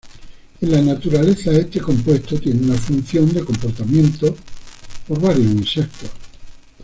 En la naturaleza, este compuesto tiene una función de comportamiento por varios insectos.